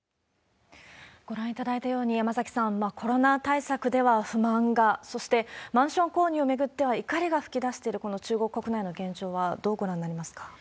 ご覧いただいたように、山崎さん、コロナ対策では不満が、そしてマンション購入を巡っては怒りが噴き出している、この中国国内の現状は、どうご覧になりますか？